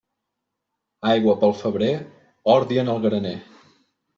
Aigua pel febrer, ordi en el graner.